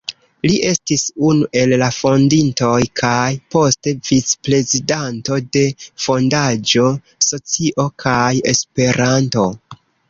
Li estis unu el la fondintoj, kaj poste vicprezidanto de Fondaĵo "Socio kaj Esperanto".